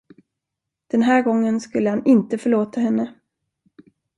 Den här gången skulle han inte förlåta henne!